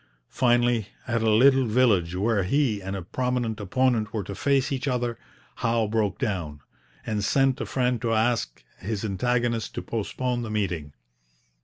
Finally, at a little village where he and a prominent opponent were to face each other, Howe broke down, and sent a friend to ask his antagonist to postpone the meeting.